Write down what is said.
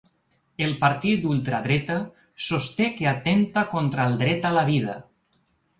El partit d’ultradreta sosté que atempta contra el dret a la vida.